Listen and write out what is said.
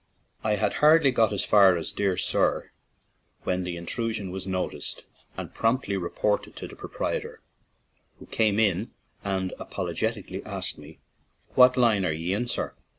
I had hardly got as far as "Dear Sir/' when the intrusion was noticed and promptly reported to the proprietor, who came in and apologetically asked me, "What line are ye in, sur?"